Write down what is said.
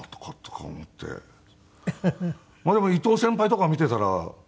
でも伊東先輩とか見ていたら。